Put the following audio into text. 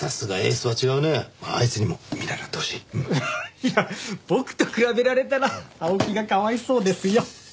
いや僕と比べられたら青木がかわいそうですよ。